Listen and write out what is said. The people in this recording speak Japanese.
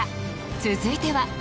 続いては。